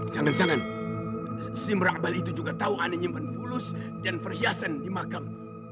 jangan jangan si mera'bal itu juga tau ana nyimpan fulus dan perhiasan di makam